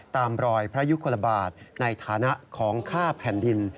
ตามรอยพระยุคลบาทในฐานะของค่าแผ่นดิน